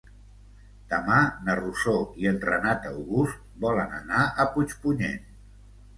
Demà na Rosó i en Renat August volen anar a Puigpunyent.